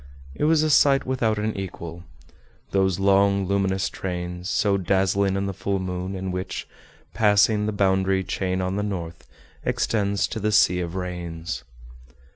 It was a sight without an equal, those long luminous trains, so dazzling in the full moon, and which, passing the boundary chain on the north, extends to the "Sea of Rains."